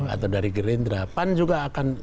atau dari gerindra pan juga akan